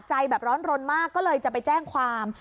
ใจแบบร้อนรนมากก็เลยจะไปแจ้งความ